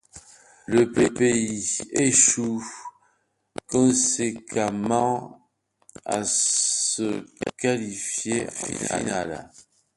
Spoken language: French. Le pays échoue conséquemment à se qualifier en finale.